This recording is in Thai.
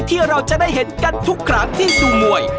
ที่เราจะได้เห็นกันทุกครั้งที่ดูมวย